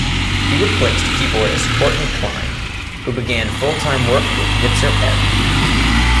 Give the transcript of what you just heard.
He replaced keyboardist Kourtney Klein, who began full-time work with Nitzer Ebb.